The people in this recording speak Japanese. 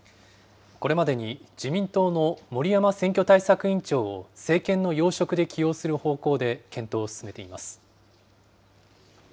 これまでに自民党の森山選挙対策委員長を政権の要職で起用する方向で検討を進めています。